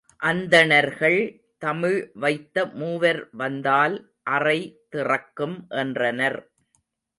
அந்தணர்கள், தமிழ் வைத்த மூவர் வந்தால் அறை திறக்கும் என்றனர்.